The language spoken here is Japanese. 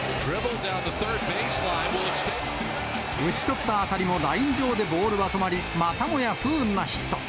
打ち取った当たりもライン上でボールは止まり、またもや不運なヒット。